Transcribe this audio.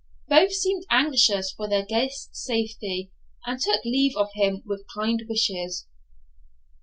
Both seemed anxious for their guest's safety, and took leave of him with kind wishes.